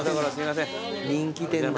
人気店だ。